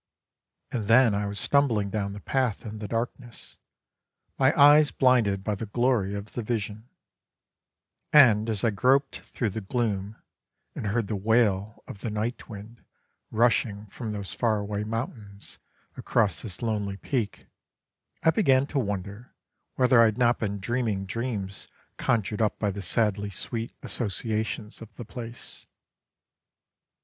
And then I was stumbling down the path in the darkness, my eyes blinded by the glory of the vision; and as I groped through the gloom, and heard the wail of the night wind rushing from those far away mountains, across this lonely peak, I began to wonder whether I had not been dreaming dreams conjured up by the sadly sweet associations of the place.